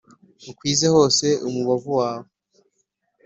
ukwize hose umubavu wawe